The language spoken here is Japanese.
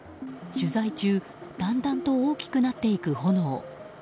取材中だんだんと大きくなっていく炎。